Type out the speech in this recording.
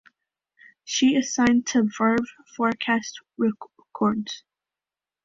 She is signed to Verve Forecast Records.